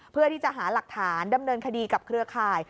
เพื่อที่จะหาหลักฐานดำเนินคดีกับเครือข่าย